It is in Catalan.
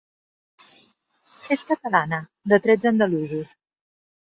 És catalana, de trets andalusos.